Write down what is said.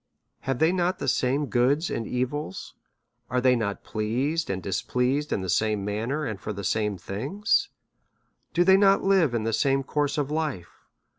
Have they not the same goods and evils, are they not pleased and dis pleased in the same manner, and for the same things? Do they not live in the same course of life